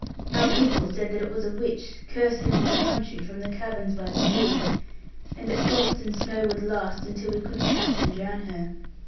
Our people said that it was a witch cursing all the country from the caverns by the sea, and that frost and snow would last until we could catch and drown her.